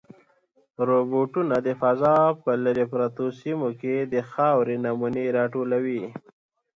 روبوټونه د فضا په لیرې پرتو سیمو کې د خاورې نمونې راټولوي.